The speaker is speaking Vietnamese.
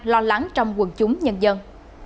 lo lắng trong quần chúng nhân dân